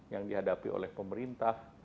yang dihadapi oleh pemerintah